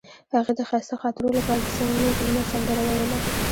هغې د ښایسته خاطرو لپاره د صمیمي ګلونه سندره ویله.